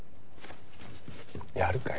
やるかよ。